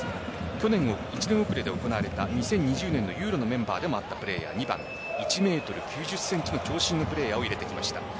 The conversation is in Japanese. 去年１年遅れで行われた２０２０年ユーロのプレーヤーでもあった選手１メートル９０センチの長身プレーヤーを入れてきました。